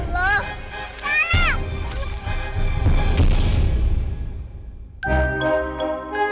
saudari tolongin putri